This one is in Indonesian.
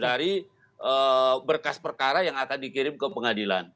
dari berkas perkara yang akan dikirim ke pengadilan